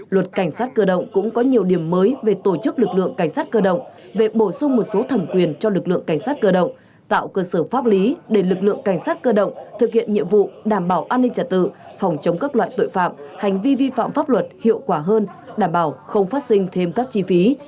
luật cảnh sát cơ động cũng có nhiều điểm mới về tổ chức lực lượng cảnh sát cơ động về bổ sung một số thẩm quyền cho lực lượng cảnh sát cơ động tạo cơ sở pháp lý để lực lượng cảnh sát cơ động thực hiện nhiệm vụ đảm bảo an ninh trả tự phòng chống các loại tội phạm hành vi vi phạm pháp luật hiệu quả hơn đảm bảo không phát sinh thêm các chi phí